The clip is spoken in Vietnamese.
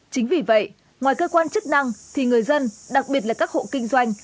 chính vì vậy ngoài cơ quan chức năng thì người dân đặc biệt là các hộ kinh doanh